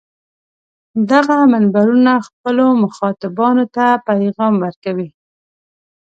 دغه منبرونه خپلو مخاطبانو ته پیغام ورکوي.